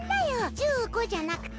１５じゃなくて。